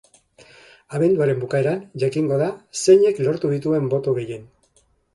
Abenduaren bukaeran jakingo da zeinek lortu dituen boto gehien.